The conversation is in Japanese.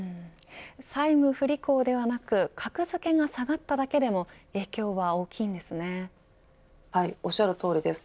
債務不履行ではなく格付けが下がっただけでもおっしゃるとおりです。